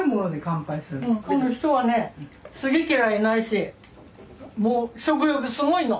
この人はね好き嫌いないしもう食欲すごいの。